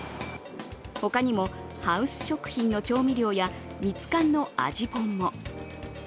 他にも、ハウス食品の調味料やミツカンの味ぽんも。